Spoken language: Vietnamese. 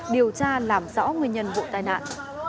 điều tra làm rõ nguyên nhân vụ tai nạn